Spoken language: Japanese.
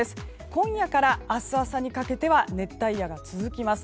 今夜から明日朝にかけては熱帯夜が続きます。